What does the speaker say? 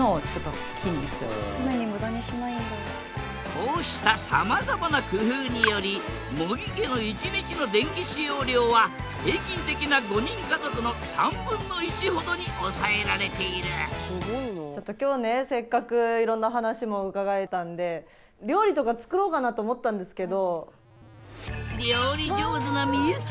こうしたさまざまな工夫により茂木家の１日の電気使用量は平均的な５人家族の３分の１ほどに抑えられている今日ねせっかくいろんな話も伺えたんで料理上手な幸。